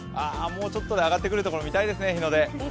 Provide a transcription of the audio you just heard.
もうちょっとで上がってくるところ、見たいですね日の出。